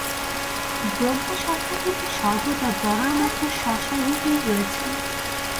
ব্রহ্মসত্তা কিন্তু সর্বদা দড়ার মত স্ব-স্বরূপেই রয়েছেন।